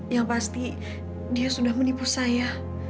yang pasti dia sudah menipu saya